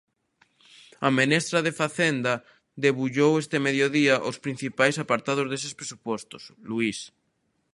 A ministra de Facenda debullou este mediodía os principais apartados deses Presupostos, Luís...